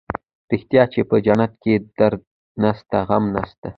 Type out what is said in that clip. رښتيا چې په جنت کښې درد نسته غم نسته.